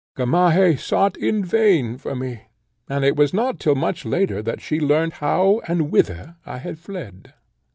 Gamaheh sought in vain for me, and it was not till much later that she learnt how and whither I had fled.